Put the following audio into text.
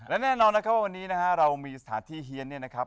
และแน่นอนนะครับว่าวันนี้นะฮะเรามีสถานที่เฮียนเนี่ยนะครับ